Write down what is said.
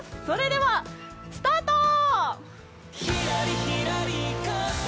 それでは、スタート！